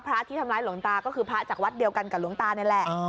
ที่ทำร้ายหลวงตาก็คือพระจากวัดเดียวกันกับหลวงตานี่แหละ